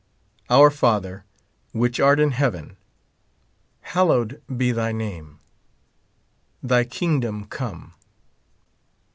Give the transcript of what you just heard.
Our Father, which art in heaven, hallowed be thy name. Thy kingdom come.